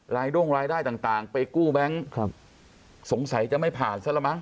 ลายด้งรายได้ต่างไปกู้แบงค์สงสัยจะไม่ผ่านซะแล้วมั้ง